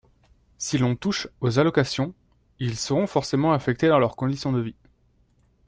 Si l’on touche aux allocations, ils seront forcément affectés dans leurs conditions de vie